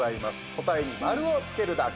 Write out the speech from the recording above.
答えに丸をつけるだけ。